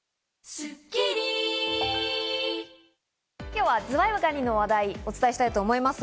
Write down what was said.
今日はズワイガニの話題をお伝えしたいと思います。